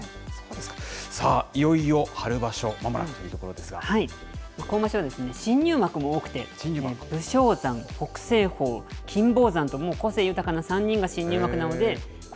さあ、いよいよ春場所まもなくと今場所は新入幕も多くて、武将山、北青鵬、金峰山と、もう個性豊かな３人が新入幕なので、こ